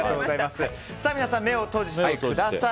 さあ、皆さん目を閉じてください。